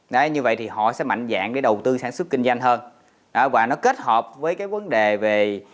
đấy như vậy thì họ sẽ mạnh dạng để đầu tư sản xuất kinh doanh hơn và nó kết hợp với cái vấn đề về